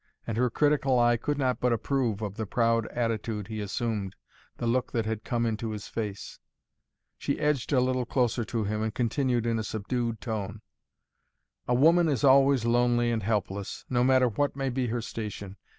And her critical eye could not but approve of the proud attitude he assumed, the look that had come into his face. She edged a little closer to him and continued in a subdued tone. "A woman is always lonely and helpless no matter what may be her station.